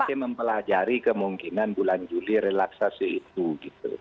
masih mempelajari kemungkinan bulan juli relaksasi itu gitu